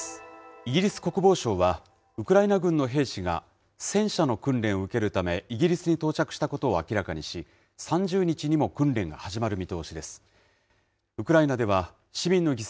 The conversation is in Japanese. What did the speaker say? イギリス国防省は、ウクライナ軍の兵士が戦車の訓練を受けるため、イギリスに到着したことを明らかにし、３０日にも訓練が始まる見通しです。